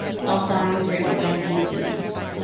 All songs written by Seafood.